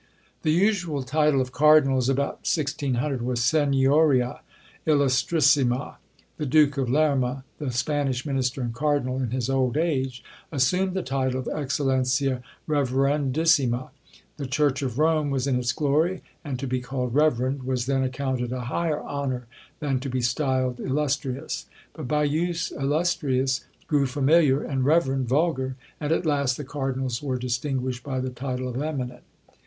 The usual title of cardinals, about 1600, was seignoria illustrissima; the Duke of Lerma, the Spanish minister and cardinal, in his old age, assumed the title of eccellencia reverendissima. The church of Rome was in its glory, and to be called reverend was then accounted a higher honour than to be styled illustrious. But by use illustrious grew familiar, and reverend vulgar, and at last the cardinals were distinguished by the title of eminent.